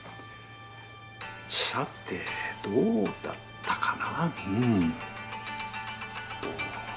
さてどうだったかな。